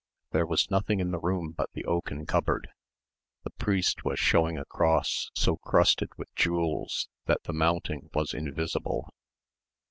There was nothing in the room but the oaken cupboard. The priest was showing a cross so crusted with jewels that the mounting was invisible.